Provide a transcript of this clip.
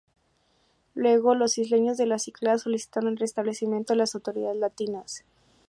Luego los isleños de las Cícladas solicitaron el restablecimiento de las autoridades latinas.